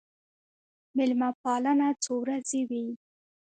مېلمه پالنه څو ورځې وي.